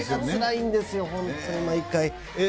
つらいんですよ、毎回。